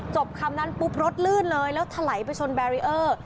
คำนั้นปุ๊บรถลื่นเลยแล้วถลายไปชนแบรีเออร์